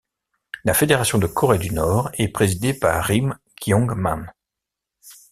La fédération de Corée du Nord est présidée par Rim Kyong-man.